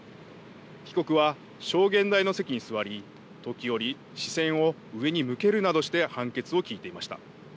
被告は証言台の席に座り時折、視線を上に向けるなどして判決を聞いていました。